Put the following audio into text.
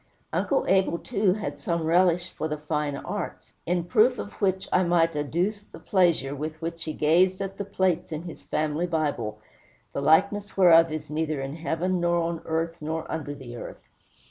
Uncle Abel, too, had some relish for the fine arts; in proof of which, I might adduce the pleasure with which he gazed at the plates in his family Bible, the likeness whereof is neither in heaven, nor on earth, nor under the earth.